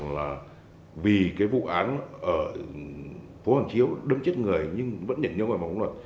là vụ cướp ở bảy mươi một de kỳ mã